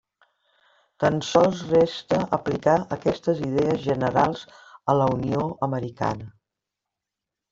Tan sols resta aplicar aquestes idees generals a la Unió americana.